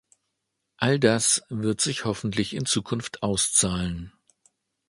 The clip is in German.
All das wird sich hoffentlich in Zukunft auszahlen.